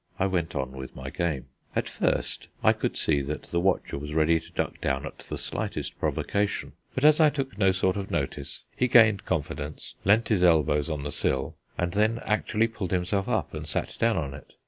I went on with my game. At first I could see that the watcher was ready to duck down at the slightest provocation, but as I took no sort of notice, he gained confidence, leant his elbows on the sill, and then actually pulled himself up and sat down on it.